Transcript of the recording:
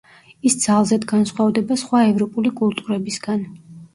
ის ძალზედ განსხვავდება სხვა ევროპული კულტურებისგან.